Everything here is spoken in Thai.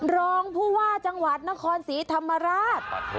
รองผู้ว่าจังหวัดนครศรีธรรมราช